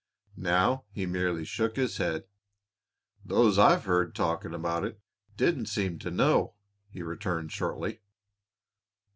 Now he merely shook his head. "Those I've heard talking about it, didn't seem to know," he returned shortly.